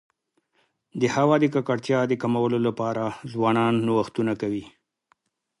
د هوا د ککړتیا د کمولو لپاره ځوانان نوښتونه کوي.